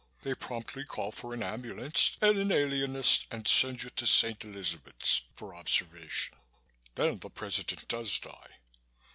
They promptly call for an ambulance and an alienist and send you to St. Elizabeth's for observation. Then the President does die.